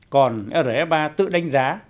còn rfa tự đánh giá